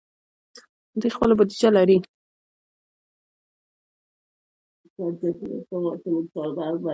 دوی خپله بودیجه لري.